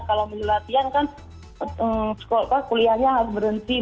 kalau milih latihan kan sekolah sekolah kuliahnya harus berhenti